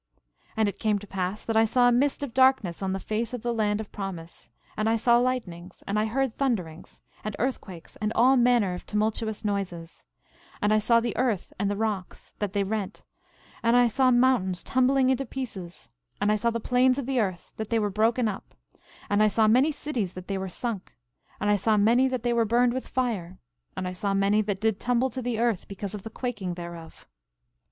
12:4 And it came to pass that I saw a mist of darkness on the face of the land of promise; and I saw lightnings, and I heard thunderings, and earthquakes, and all manner of tumultuous noises; and I saw the earth and the rocks, that they rent; and I saw mountains tumbling into pieces; and I saw the plains of the earth, that they were broken up; and I saw many cities that they were sunk; and I saw many that they were burned with fire; and I saw many that did tumble to the earth, because of the quaking thereof.